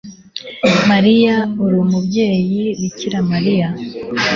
mariya uri umubyeyi [bikira mariya